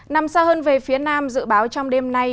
nằm xa hơn về phía nam dự báo trong đêm nay